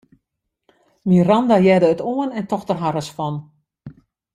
Miranda hearde it oan en tocht der harres fan.